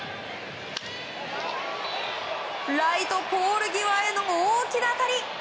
ライトポール際への大きな当たり！